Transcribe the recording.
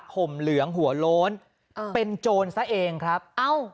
มเหลืองหัวโล้นอ่าเป็นโจรซะเองครับเอ้า